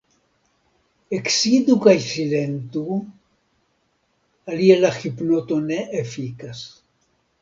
Eksidu kaj silentu, alie la hipnoto ne efikas.